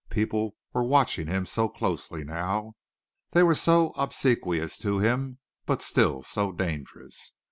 People were watching him so closely now. They were so obsequious to him, but still so dangerous.